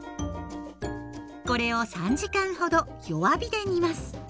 これを３時間ほど弱火で煮ます。